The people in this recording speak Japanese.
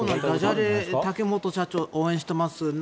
ダジャレの竹本社長応援しています。